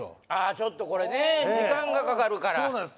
ちょっとこれね時間がかかるからそうなんです